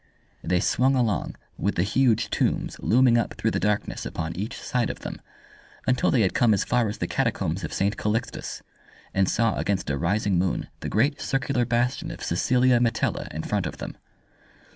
They swung along, with the huge tombs looming up through the darkness upon each side of them, until they had come as far as the Catacombs of St. Calixtus, and saw against a rising moon the great circular bastion of Cecilia Metella in front of them.